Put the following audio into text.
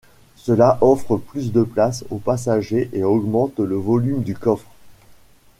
Cela offre plus de place aux passagers et augmente le volume du coffre.